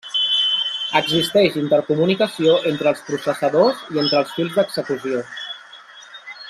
Existeix intercomunicació entre els processadors i entre els fils d'execució.